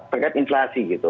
terkait inflasi gitu